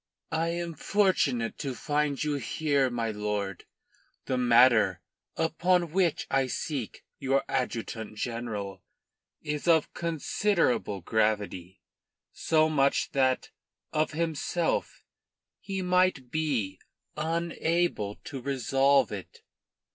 "I am fortunate to find you here, my lord. The matter upon which I seek your adjutant general is of considerable gravity so much that of himself he might be unable to resolve it.